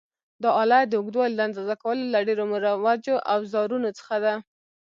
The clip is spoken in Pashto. دا آله د اوږدوالي د اندازه کولو له ډېرو مروجو اوزارونو څخه ده.